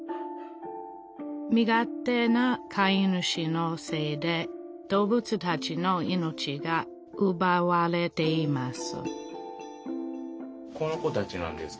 身勝手な飼い主のせいで動物たちの命がうばわれています